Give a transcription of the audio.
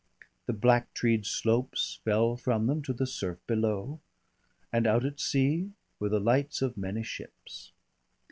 The black treed slopes fell from them to the surf below, and out at sea were the lights of many ships.